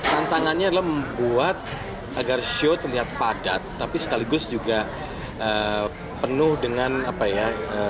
tantangannya adalah membuat agar show terlihat padat tapi sekaligus juga penuh dengan apa ya